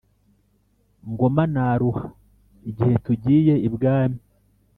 Ngoma naruha! Igihe tugiye ibwami,